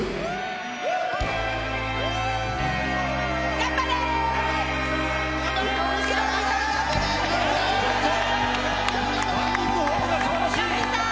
頑張れー。